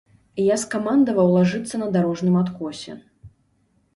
Я скамандаваў лажыцца на дарожным адкосе.